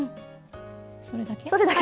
それだけ？